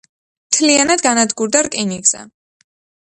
მთლიანად განადგურდა რკინიგზა.